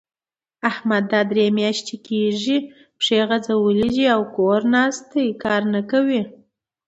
احمد دا درې مياشتې کېږي؛ پښې غځولې دي او کور ناست؛ کار نه کوي.